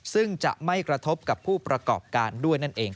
ซึ่งจะไม่กระทบกับผู้ประกอบการด้วยนั่นเอง